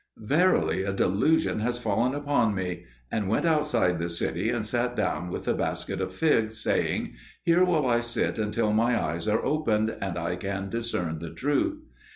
Verily a delusion has fallen upon me," and went outside the city and sat down with the basket of figs, saying, "Here will I sit until my eyes are opened, and I can discern the truth."